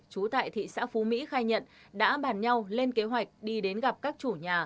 chú tại thị xã phú mỹ khai nhận đã bàn nhau lên kế hoạch đi đến gặp các chủ nhà